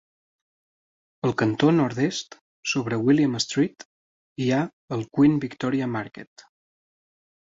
Al cantó nord-est sobre William Street, hi ha el Queen Victoria Market.